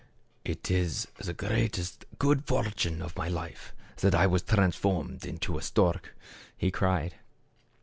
" It is the greatest good fortune of my life that I was transformed into a stork/' he cried.